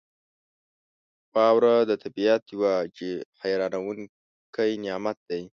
• واوره د طبعیت یو حیرانونکی نعمت دی.